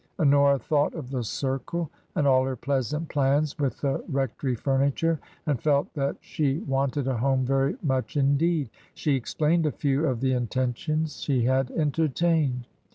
Honora thought of the " circle" and all her pleasant plans with the rectory furniture, and felt that she wanted a home very much indeed. She explained a few of the intentions she had entertained.